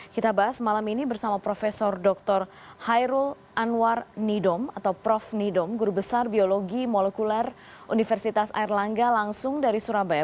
kita bahas malam ini bersama prof dr hairul anwar nidom atau prof nidom guru besar biologi molekuler universitas airlangga langsung dari surabaya